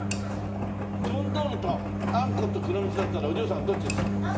キヨンドールとあんことくろみつだったらお嬢さんはどっち勧めます？